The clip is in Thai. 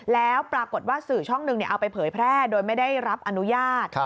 แล้วปรากฏว่าสื่อช่องหนึ่งเอาไปเผยแพร่โดยไม่ได้รับอนุญาต